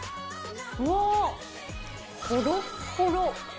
うわー、ほろっほろ。